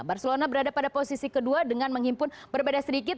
barcelona berada pada posisi kedua dengan menghimpun berbeda sedikit